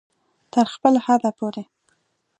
تر خپل حده پورې